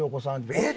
「えっ！？」